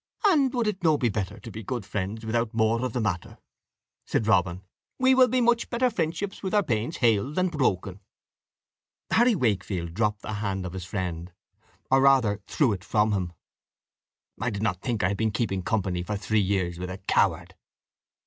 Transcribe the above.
"And would it no pe petter to pe cood friends without more of the matter?" said Robin; "we will be much petter friendships with our panes hale than proken." Harry Wakefield dropped the hand of his friend, or rather threw it from him. "I did not think I had been keeping company for three years with a coward."